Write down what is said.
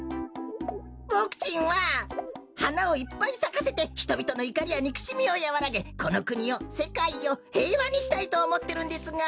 ボクちんははなをいっぱいさかせてひとびとのいかりやにくしみをやわらげこのくにをせかいをへいわにしたいとおもってるんですが。